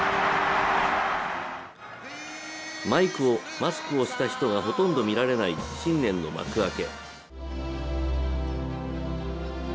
マスクをした人がほとんど見られない新年の幕開け。